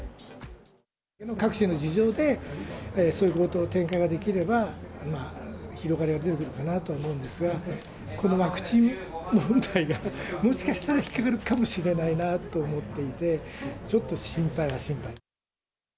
各地の事情でそういうこと、展開ができれば、広がりが出てくるかなと思うんですが、このワクチン問題が、もしかしたら引っ掛かるかもしれないなと思っていて、ちょっと心配は心配。